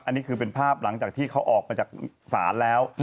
อันนี้คือเป็นภาพหลังจากที่เขาออกมาจากศาลแล้ว